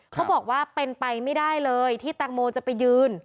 เขาบอกว่าเป็นไปไม่ได้เลยที่แตงโมจะไปยืน